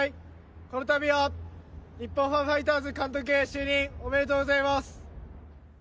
このたびは、日本ハムファイターズ監督就任、おめでとうございます。